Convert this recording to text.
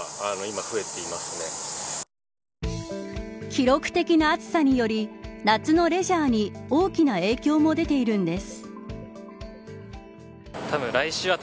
記録的な暑さにより夏のレジャーに大きな影響も出ているんです。